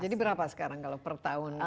jadi berapa sekarang kalau per tahun waste up